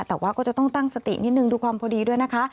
แต่ว่าก็จะต้องตั้งสตินิดนึงดูความพอดีด้วยนะคะ